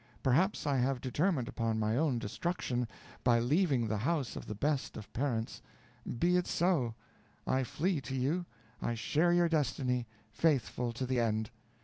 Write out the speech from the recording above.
Perhaps I have determined upon my own destruction, by leaving the house of the best of parents; be it so; I flee to you; I share your destiny, faithful to the end.